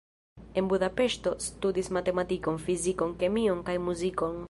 En Budapeŝto studis matematikon, fizikon, kemion kaj muzikon.